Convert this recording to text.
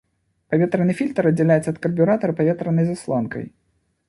Паветраны фільтр аддзяляецца ад карбюратара паветранай заслонкай.